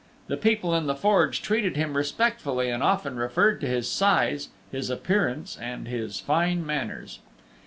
The people in the Forge treated him respectfully and often referred to his size, his appearance and his fine manners.